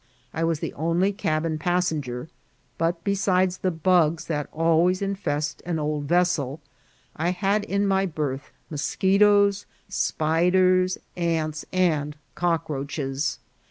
I was the only cabin passenger ; but, besides the bugs that always infest an old vessel, I had in my berth moschetoes, spiders, ants, and cockroaches.